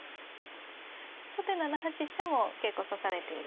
初手７八飛車も結構指されているんですね。